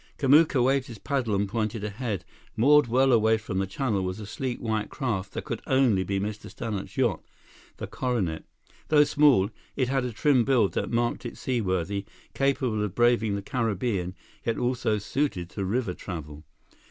Kamuka waved his paddle and pointed ahead. Moored well away from the channel was a sleek white craft that could only be Mr. Stannart's yacht, the Coronet. Though small, it had a trim build that marked it seaworthy, capable of braving the Caribbean, yet also suited to river travel.